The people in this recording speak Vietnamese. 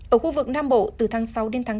ở khu vực nam bộ từ tháng sáu đến tháng bốn